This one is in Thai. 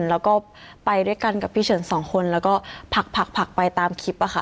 แล้วก็ไปด้วยกันกับพี่เฉินสองคนแล้วก็ผักไปตามคลิปอะค่ะ